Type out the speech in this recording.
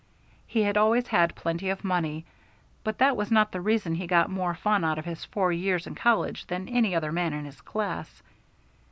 He had always had plenty of money, but that was not the reason he got more fun out of his four years in college than any other man in his class.